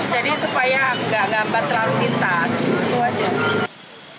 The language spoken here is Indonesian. jadi supaya tidak terlalu lintas